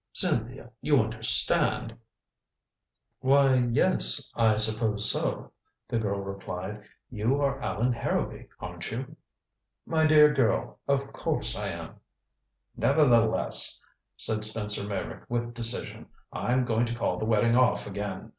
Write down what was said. Cynthia you understand " "Why, yes I suppose so," the girl replied. "You are Allan Harrowby, aren't you?" "My dear girl of course I am." "Nevertheless," said Spencer Meyrick with decision, "I'm going to call the wedding off again.